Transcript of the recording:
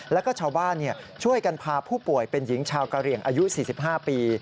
แล้วก็ชาวบ้านช่วยกันพาผู้ป่วยเป็นหญิงชาวกะเหลี่ยงอายุ๔๕ปี